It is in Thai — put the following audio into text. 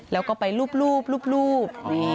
แล้วก็ไปลูบลูบ